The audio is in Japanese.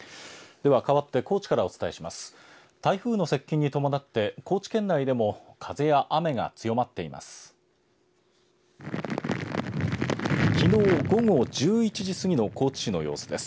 ではかわって高知からお伝えします。